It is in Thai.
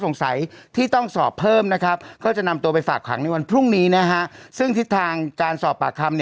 ซึ่งทิศทางการสอบปากคำเนี่ยเป็นบริษฐ์ครับแล้วก็เพื่อให้เกิดความยุทธิธรรมจะส่งสำนวนนะครับ